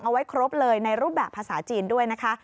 เอาไว้ครบเลยในรูปแบบภาษาจีนด้วยนะคะ